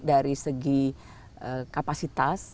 dari segi kapasitas